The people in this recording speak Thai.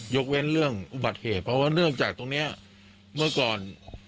เว้นเรื่องอุบัติเหตุเพราะว่าเนื่องจากตรงนี้เมื่อก่อน